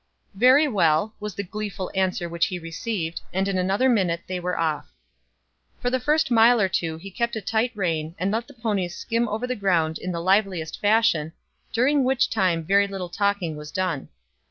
"Very well," was the gleeful answer which he received, and in another minute they were off. For the first mile or two he kept a tight rein, and let the ponies skim over the ground in the liveliest fashion, during which time very little talking was done.